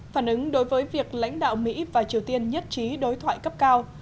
phản ứng đối với việc lãnh đạo mỹ và triều tiên nhất trí đối thoại cấp cao